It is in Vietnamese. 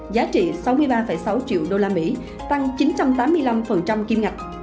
giá trị sáu mươi ba sáu triệu usd tăng chín trăm tám mươi năm kim ngạch